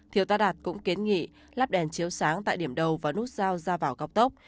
thiếu ta đạt cũng kiến nghị lắp đèn chiếu sáng tại điểm đầu và nút giao ra vào cao tốc